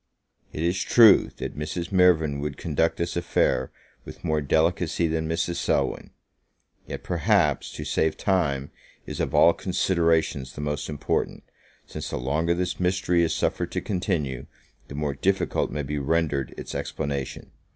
It is true, that Mrs. Mirvan would conduct this affair with more delicacy than Mrs. Selwyn; yet, perhaps, to save time, is of all considerations the most important, since the longer this mystery is suffered to continue, the more difficult may be rendered its explanation.